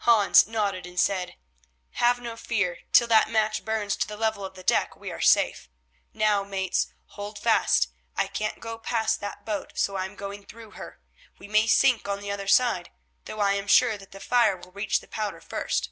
Hans nodded and said, "Have no fear. Till that match burns to the level of the deck we are safe. Now, mates, hold fast. I can't go past that boat, so I am going through her. We may sink on the other side, though I am sure that the fire will reach the powder first.